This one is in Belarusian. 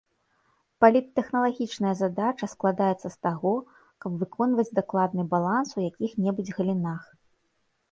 Паліттэхналагічная задача складаецца з таго, каб выконваць дакладны баланс у якіх-небудзь галінах.